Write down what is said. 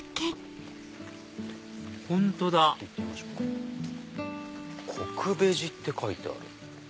本当だ「こくベジ」って書いてある。